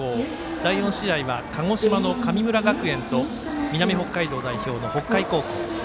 第４試合は鹿児島の神村学園と南北海道代表、北海高校。